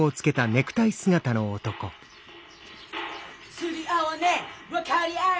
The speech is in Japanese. ・・釣り合わねぇ分かりあえ